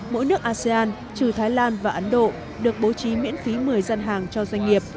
mỗi nước asean trừ thái lan và ấn độ được bố trí miễn phí một mươi dân hàng cho doanh nghiệp